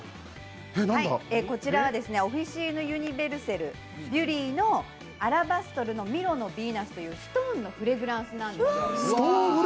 こちらはオフィシーヌ・ユニヴェルセル・ビュリー、アラバストルミロのヴィーナスというストーンのフレグランスなんですよ。